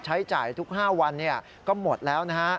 ใช้จ่ายทุก๕วันก็หมดแล้วนะฮะ